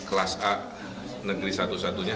kelas a negeri satu satunya